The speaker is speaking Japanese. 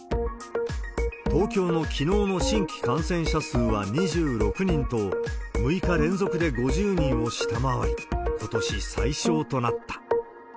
東京のきのうの新規感染者数は２６人と、６日連続で５０人を下回り、ことし最少となった。